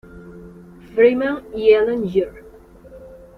Freeman y Ellen Geer.